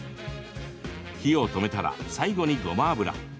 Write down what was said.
火を止めたら、最後にごま油。